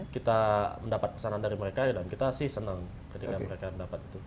kita mendapat pesanan dari mereka dan kita sih senang ketika mereka mendapat itu